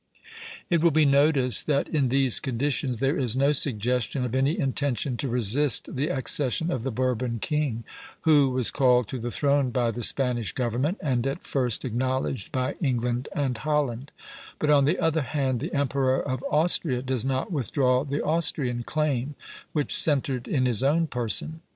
It will be noticed that in these conditions there is no suggestion of any intention to resist the accession of the Bourbon king, who was called to the throne by the Spanish government and at first acknowledged by England and Holland; but, on the other hand, the Emperor of Austria does not withdraw the Austrian claim, which centred in his own person.